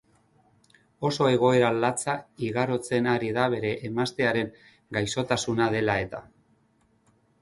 Oso egoera latza igarotzen ari da bere emaztearen gaisotasuna dela eta.